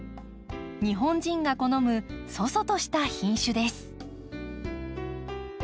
日本人が好む楚々とした品種です。